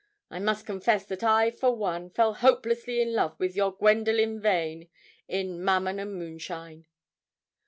I must confess that I, for one, fell hopelessly in love with your Gwendoline Vane, in "Mammon and Moonshine."'